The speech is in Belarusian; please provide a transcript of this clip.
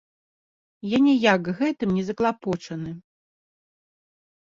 Я ніяк гэтым не заклапочаны.